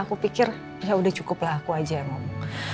aku pikir ya udah cukuplah aku aja yang ngomong